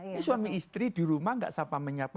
ini suami istri di rumah nggak sapa menyapa